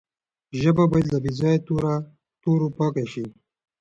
ژبه باید له بې ځایه تورو پاکه سي.